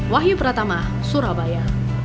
wahyu pratama surabaya